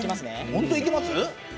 本当にいきます？